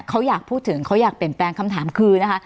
เขาอยากพูดถึงเขาอยากเปลี่ยนแปลงคำถามคือนะคะ